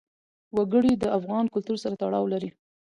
وګړي د افغان کلتور سره تړاو لري.